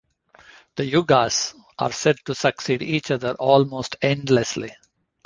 The Yugas are said to succeed each other almost endlessly.